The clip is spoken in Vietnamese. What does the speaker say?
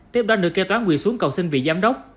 tiếp đó nữ kế toán quỳ xuống cầu xin vị giám đốc